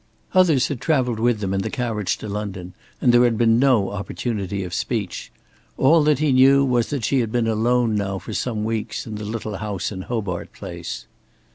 Others had traveled with them in the carriage to London and there had been no opportunity of speech. All that he knew was that she had been alone now for some weeks in the little house in Hobart Place.